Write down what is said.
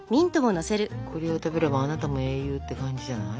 これを食べればあなたも英雄って感じじゃない？